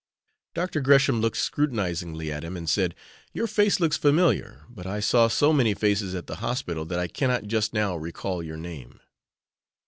Dr. Gresham looked scrutinizingly at him and said: "Your face looks familiar, but I saw so many faces at the hospital that I cannot just now recall your name."